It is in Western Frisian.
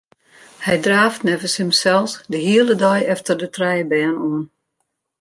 Hy draaft neffens himsels de hiele dei efter de trije bern oan.